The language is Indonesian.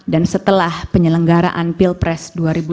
dan setelah penyelenggaraan pilpres dua ribu dua puluh empat